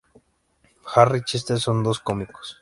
Harry y Chester son dos cómicos.